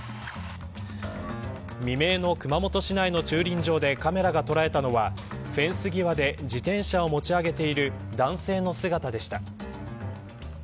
未明の熊本市内の駐輪場でカメラが捉えたのはフェンス際で自転車を持ち上げている男性の姿でした。